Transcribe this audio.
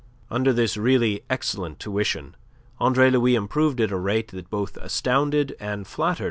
Under this really excellent tuition Andre Louis improved at a rate that both astounded and flattered M.